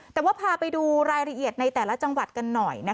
แต่ว่าพาไปดูรายละเอียดในแต่ละจังหวัดกันหน่อย